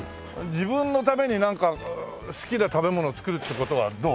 自分のためになんか好きな食べ物作るって事はどう？